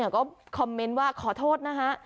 ก็คอมเมนต์ว่าขอโทษนะคะ